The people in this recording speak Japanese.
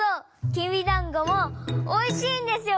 きびだんごもおいしいんですよ